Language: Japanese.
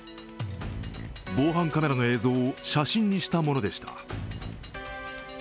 防犯カメラの映像を写真にしたものでした。